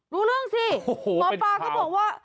รู้เรื่องสิหมอปลาก็บอกว่า